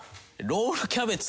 ロールキャベツ。